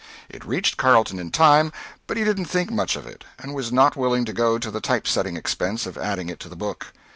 It reached Carleton in time, but he didn't think much of it, and was not willing to go to the typesetting expense of adding it to the book.